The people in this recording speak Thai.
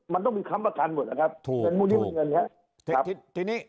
มันต้องมีคำประทานหมดนะครับเป็นมูลนี้เป็นเงินครับ